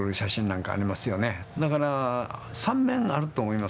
だから３面あると思います。